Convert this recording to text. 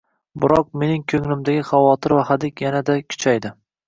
Biroq mening ko`nglimdagi xavotir va hadik yanada kuchaydi